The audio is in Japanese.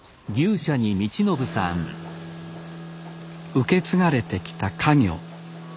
受け継がれてきた家業。